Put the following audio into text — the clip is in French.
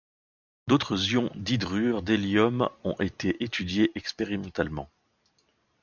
D'autres ions d'hydrure d'hélium ont été étudiés expérimentalement.